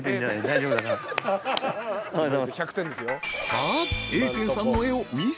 ［さあ］